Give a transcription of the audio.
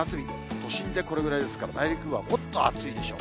都心でこれぐらいですから、内陸部はもっと暑いでしょう。